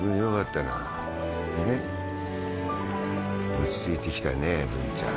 落ち着いてきたね文ちゃん。